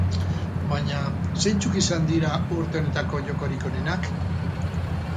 Baina zeintzuk izan dira urte honetako jokorik onenak?